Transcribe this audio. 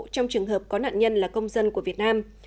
trong trường hợp có nạn nhân là công dân của việt nam